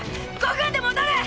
５分で戻る！